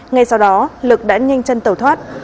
ngay sau đó lực đã nhanh chân tàu thoát